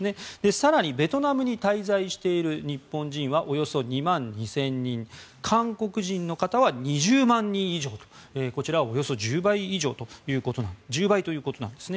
更に、ベトナムに滞在している日本人はおよそ２万２０００人韓国人の方は２０万人以上とこちらおよそ１０倍ということなんです。